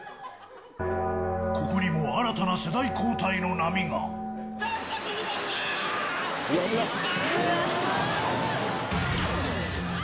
ここにも新たな世代交代の波なんの車だ。